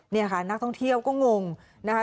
นี่ค่ะนักท่องเที่ยวก็งงนะคะ